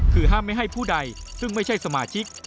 คือห้ามไม่ให้ผู้ใดซึ่งไม่ใช่สมาชิก